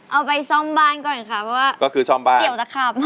เอาไปซ่อมบ้านก่อนค่ะเพราะว่าเสี่ยวตะขาบ